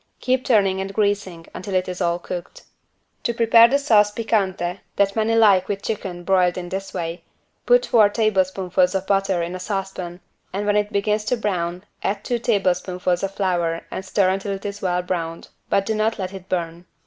Keep turning and greasing until it is all cooked. To prepare the sauce piquante that many like with chicken broiled in this way, put four tablespoonfuls of butter in a saucepan and when it begins to brown add two tablespoonfuls of flour and stir until it is well browned, but do not let it burn.